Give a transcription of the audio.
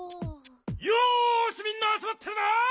よしみんなあつまってるな！